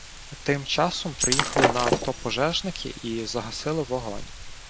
Тим часом приїхали на авто пожежники і загасили вогонь.